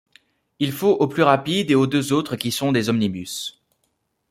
Il faut au plus rapide et aux deux autres qui sont des omnibus.